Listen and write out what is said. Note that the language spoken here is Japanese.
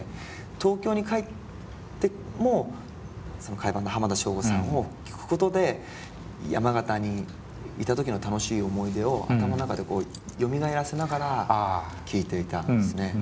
東京に帰っても甲斐バンド浜田省吾さんを聴くことで山形にいた時の楽しい思い出を頭の中でよみがえらせながら聴いていたんですね。